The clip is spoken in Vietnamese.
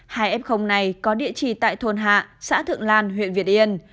hai f này có địa chỉ tại thôn hạ xã thượng lan huyện việt yên